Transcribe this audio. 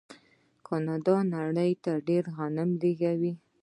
کاناډا نړۍ ته ډیر غنم لیږي.